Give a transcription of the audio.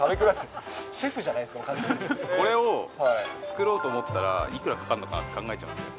これを作ろうと思ったらいくらかかるのかって考えちゃうんですよ。